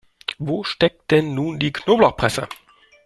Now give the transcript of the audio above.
Wo steckt denn nun die Knoblauchpresse?